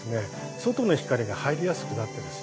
外の光が入りやすくなってます。